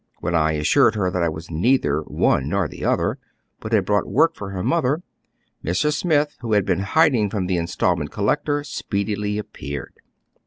" "When I assured her that I was neither one nor the other, but had brouglit work for her mother, Mrs. Smith, who had been hiding from the instalment collector, speedily appeared.